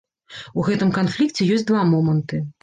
У гэтым канфлікце ёсць два моманты.